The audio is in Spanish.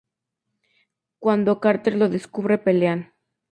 Cuando Carter lo descubre, pelean.